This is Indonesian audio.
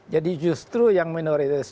jadi justru yang minoritas